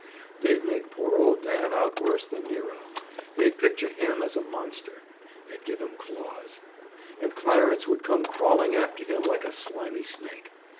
They'd make poor old Dan out worse than Nero. They'd picture him as a monster. They'd give him claws. And Clarence would come crawling after him like a slimy snake.